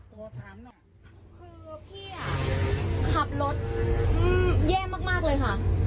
คือพี่อะขับรถแย่มากเลยค่ะ